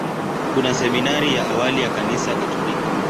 Kuna seminari ya awali ya Kanisa Katoliki.